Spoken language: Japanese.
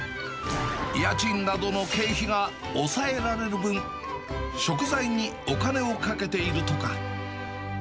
家賃などの経費が抑えられる分、食材にお金をかけているとか。